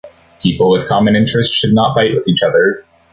People with common interests should not fight with each other.